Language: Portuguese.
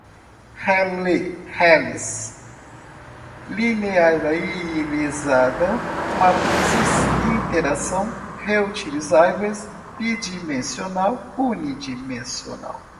relé, relés, linearizada, matrizes, iteração, reutilizáveis, bidimensional, unidimensional